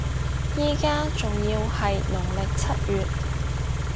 依家仲要係農曆七月